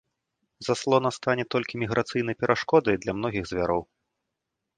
Заслона стане толькі міграцыйнай перашкодай для многіх звяроў.